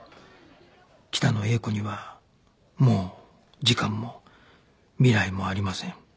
北野英子にはもう時間も未来もありません